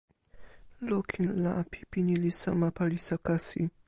lukin la pipi ni li sama palisa kasi.